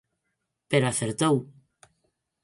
Pero acertou.